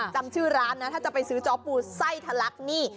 จำชื่อร้านนะถ้าจะไปซื้อจอปูไส้ทะลักนี่